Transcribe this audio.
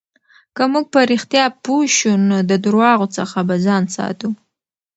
که موږ په رښتیا پوه شو، نو د درواغو څخه به ځان ساتو.